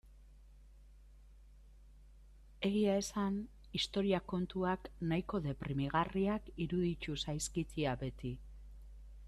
Egia esan historia kontuak nahiko deprimigarriak iruditu zaizkit ia beti.